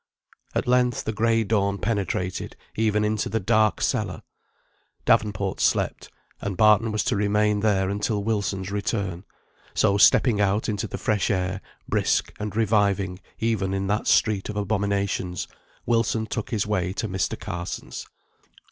At length the gray dawn penetrated even into the dark cellar. Davenport slept, and Barton was to remain there until Wilson's return; so stepping out into the fresh air, brisk and reviving, even in that street of abominations, Wilson took his way to Mr. Carson's.